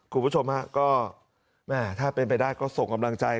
คุณผู้ชมฮะก็แม่ถ้าเป็นไปได้ก็ส่งกำลังใจ